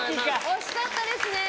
惜しかったですね。